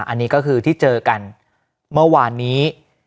อันนี้ก็คือที่เจอกันเมื่อวานนี้